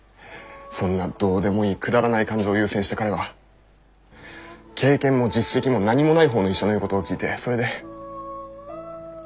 そんなどうでもいいくだらない感情を優先して彼は経験も実績も何もない方の医者の言うことを聞いてそれで。